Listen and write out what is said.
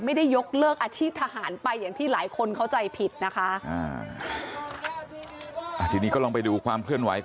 ไม่ได้ยกเลิกอาชีพทหารไปอย่างที่หลายคนเข้าใจผิดนะคะ